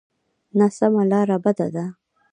ناسمه لاره بده ده.